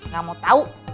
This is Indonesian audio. gak mau tau